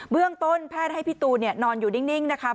เรื่องต้นแพทย์ให้พี่ตูนนอนอยู่นิ่งนะคะ